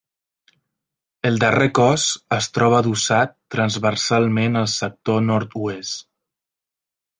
El darrer cos es troba adossat transversalment al sector nord-oest.